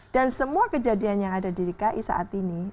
semua kejadian yang ada di dki saat ini